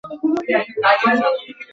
তুমি কি চাও আমি এখনি দিতেছি।